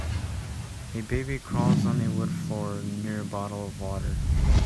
A baby crawls on a wood floor near a bottle of water.